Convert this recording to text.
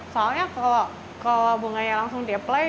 soalnya kalau bunganya langsung diapply